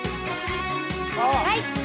はい！